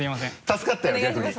助かったよ逆に。